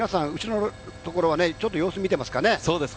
後ろのところはちょっと様子を見てますかね。